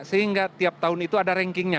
sehingga tiap tahun itu ada rankingnya